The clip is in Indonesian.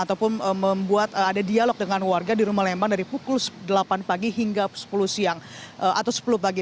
ataupun membuat ada dialog dengan warga di rumah lembang dari pukul delapan pagi hingga sepuluh siang atau sepuluh pagi